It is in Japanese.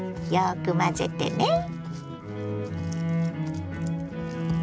よく混ぜてね。